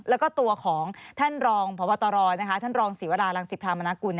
แล้วก็ตัวของท่านรองพบตรท่านรองศิวรารังสิทธามนากุล